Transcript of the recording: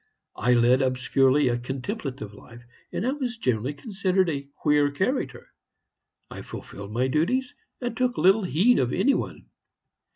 I led obscurely a contemplative life, and I was generally considered a queer character. I fulfilled my duties, and took little heed of any one.